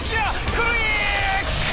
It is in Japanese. クリック！